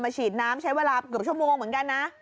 ฉีดน้ำใช้เวลาเกือบชั่วโมงเหมือนกันนะ